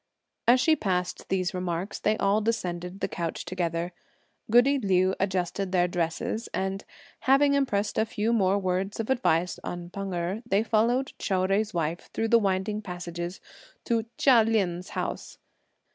As she passed these remarks, they all descended the couch together. Goody Liu adjusted their dresses, and, having impressed a few more words of advice on Pan Erh, they followed Chou Jui's wife through winding passages to Chia Lien's house.